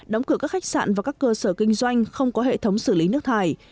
đóng cửa các khách sạn và các cơ sở kinh doanh không có hệ thống xử lý nước thải